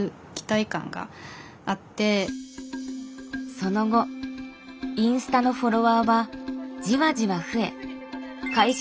その後インスタのフォロワーはじわじわ増え開始